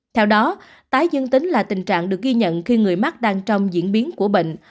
theo đó tái dương tính là tình trạng được ghi nhận khi người mắc đang trong diễn biến của bệnh